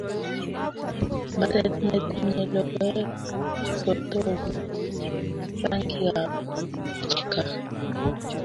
Mbaret ne tinyei logoek ko togu rangikab kipkaa